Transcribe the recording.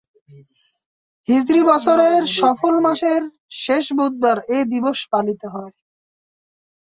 হিজরি বছরের সফর মাসের শেষ বুধবার এ দিবস পালিত হয়।